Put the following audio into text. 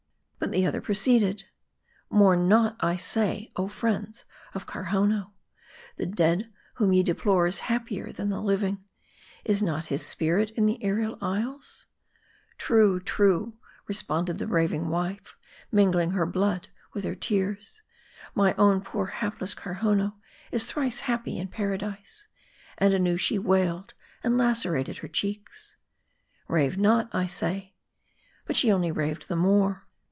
But the other proceeded " Mourn not, I say, oh friends of Karhownoo ; the dead whom ye deplore is happier than the living ; is not his spirit in the aerial isles ?"" True ! true !" responded the raving wife, mingling her blood with her tears, " my own poor hapless Karhownoo is M A R D I. 347 thrice happy in Paradise!" And anew she wailed, and lacerated her cheeks. " Rave not, I say.""' But she only raved the more.